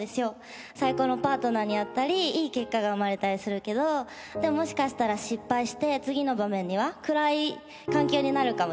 最高のパートナーに会ったりいい結果が生まれたりするけどでももしかしたら失敗して次の場面には暗い環境になるかもしれない。